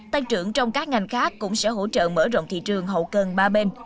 tăng trưởng trong các ngành khác cũng sẽ hỗ trợ mở rộng thị trường hậu cân ba bên